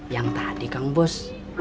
yang tadi kang bos